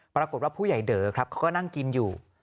ปรากฏว่าผู้ใหญ่เด๋อครับเขาก็นั่งกินอยู่